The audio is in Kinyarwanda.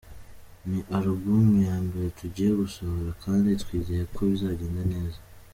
Ni album ya mbere tugiye gusohora kandi twizeye ko bizagenda neza.